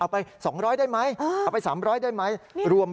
ไป๒๐๐ได้ไหมเอาไป๓๐๐ได้ไหม